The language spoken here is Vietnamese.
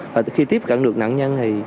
và khi tiếp cận được nạn nhân thì